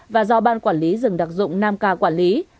và do ban quản lý rừng đặc dụng nam ca quản lý